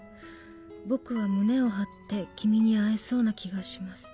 「僕は胸を張って君に会えそうな気がします」